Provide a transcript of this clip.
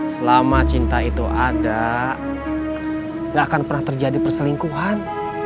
selama cinta itu ada gak akan pernah terjadi perselingkuhan